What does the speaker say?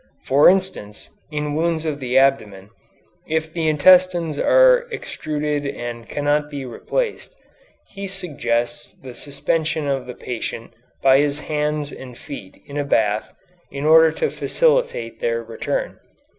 For instance, in wounds of the abdomen, if the intestines are extruded and cannot be replaced, he suggests the suspension of the patient by his hands and feet in a bath in order to facilitate their return.